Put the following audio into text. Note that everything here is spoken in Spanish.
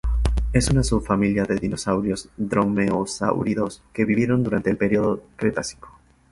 Es una subfamilia de dinosaurios dromeosáuridos que vivieron durante el período Cretácico.